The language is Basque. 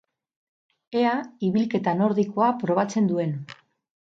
Ea ibilketa nordikoa probatzen duen!